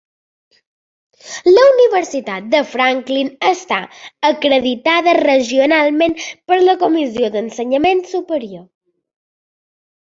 La Universitat de Franklin està acreditada regionalment per la Comissió d'Ensenyament Superior.